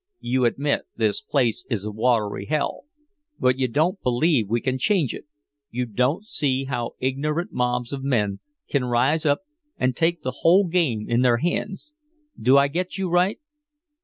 "You admit this place is a watery hell, but you don't believe we can change it. You don't see how ignorant mobs of men can rise up and take the whole game in their hands. Do I get you right?"